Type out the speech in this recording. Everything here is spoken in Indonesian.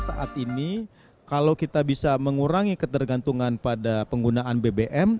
saat ini kalau kita bisa mengurangi ketergantungan pada penggunaan bbm